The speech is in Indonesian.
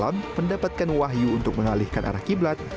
tan mendapatkan wahyu untuk mengalihkan arah qiblat